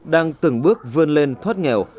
đang từng bước vươn lên thoát nghèo